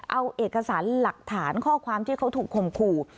เอาเอกสารหลักฐานข้อความที่เขาถูกคมขู่